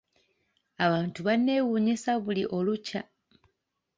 Abantu banneewuunyisa buli olukya.